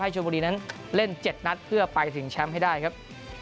ชนบุรีนั้นเล่น๗นัดเพื่อไปถึงแชมป์ให้ได้ครับ